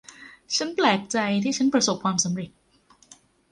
ฉันแปลกใจที่ฉันประสบความสำเร็จ